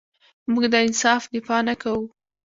موږ د انصاف دفاع نه کوو.